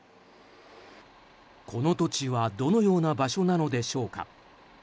この土地はどのような場所なのでしょうか。